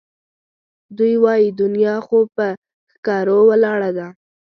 دوی وایي دنیا خو پهٔ ښکرو ولاړه ده